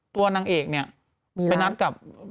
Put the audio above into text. ตัวนางเอกเนี่ยไปนัดกับ